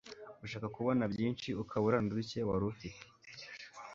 ushaka kubona byinshi ukabura naduke wari ufite